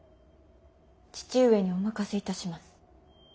父上にお任せいたします。